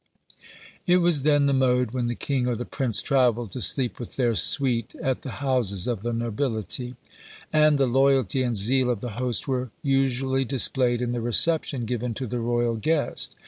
It was then the mode, when the king or the prince travelled, to sleep with their suite at the houses of the nobility; and the loyalty and zeal of the host were usually displayed in the reception given to the royal guest.